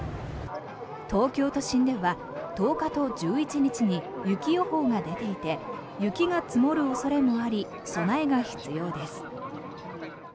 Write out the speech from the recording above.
東京都心では１０日と１１日に雪予報が出ていて雪が積もる恐れもあり備えが必要です。